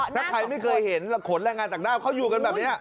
ถ้าใครไม่เคยเห็นขนแรงงานต่างด้าวเขาอยู่กันแบบนี้